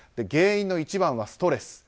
原因の一番はストレス。